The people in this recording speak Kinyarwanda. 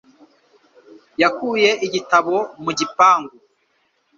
Yakuye igitabo mu gipangu.